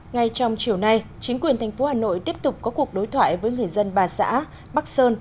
ngay trong chiều nay chính quyền thành phố hà nội tiếp tục có cuộc đối thoại với người dân ba xã bắc sơn